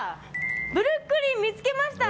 ブルックリン見つけました！